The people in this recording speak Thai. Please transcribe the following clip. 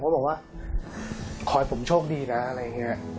บอกว่าขอให้ผมโชคดีนะอะไรอย่างนี้